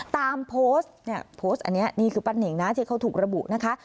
ตามโพสต์นี่คือปั้นเน่งที่เขาถูกระบุนะคะ